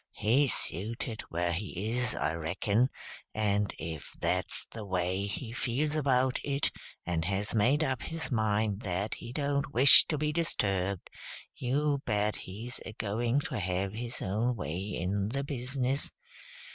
He's suited wher' he is, I reckon; and if that's the way he feels about it, and has made up his mind that he don't wish to be disturbed, you bet he's a going to have his own way in the business.